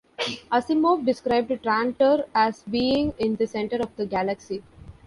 Asimov described Trantor as being in the centre of the galaxy.